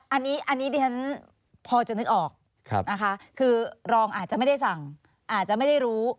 อันนี้ดิฉันพอจะนึกออกนะคะคือรองอาจจะไม่ได้สั่งอาจจะไม่ได้รู้